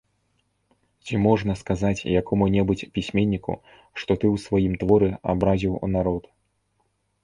Ці можна сказаць якому-небудзь пісьменніку, што ты ў сваім творы абразіў народ?